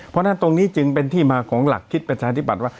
เพราะฉะนั้นตรงนี้จึงเป็นที่มาของหลักคิดประชาธิบัติว่า